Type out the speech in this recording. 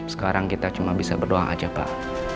sekarang kita cuma bisa berdoa aja pak